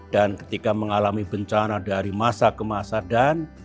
dan ketika mengalami bencana dari masa ke masa dan